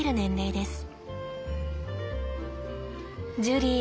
ジュリー